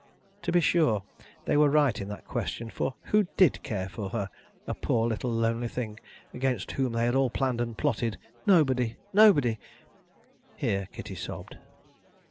To be sure they were right in that question; for who did care for her, a poor little lonely thing against whom they all planned and plotted? Nobody, nobody! Here Kitty sobbed.